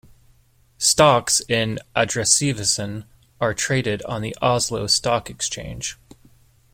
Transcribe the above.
Stocks in "Adresseavisen" are traded on the Oslo Stock Exchange.